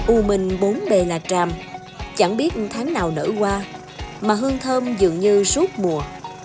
u minh bốn b là tràm chẳng biết tháng nào nở qua mà hương thơm dường như suốt mùa